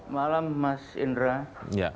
malam mas indra